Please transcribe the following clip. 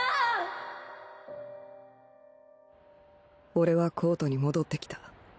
俺はコートに戻ってきた。